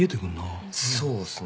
そうっすね。